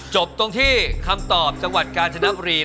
จบตรงที่คำตอบจังหวัดกาญจนบุรี